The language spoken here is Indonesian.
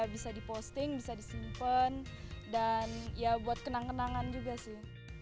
bisa diposting bisa disimpan dan ya buat kenang kenangan juga sih